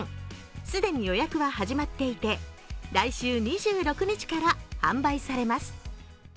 既に予約は始まっていて来週２６日から販売されます。